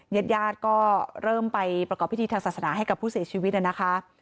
ญาติญาติก็เริ่มไปประกอบพิธีทางศาสนาให้กับผู้เสียชีวิตนะคะ